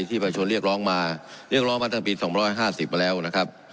ที่ประชวนเรียกร้องมาเรียกร้องมาตั้งแต่ปีสองร้อยห้าสิบมาแล้วนะครับ